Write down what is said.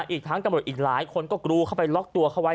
อีกทั้งตำรวจอีกหลายคนก็กรูเข้าไปล็อกตัวเขาไว้